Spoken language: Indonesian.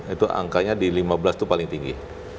itu angkanya di lima belas itu paling tinggi